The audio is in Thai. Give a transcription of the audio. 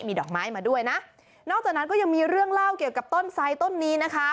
ดอกไม้มาด้วยนะนอกจากนั้นก็ยังมีเรื่องเล่าเกี่ยวกับต้นไซดต้นนี้นะคะ